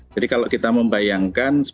jadi kalau kita membayangkan